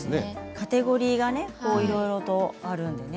カテゴリーがいろいろあるのでね。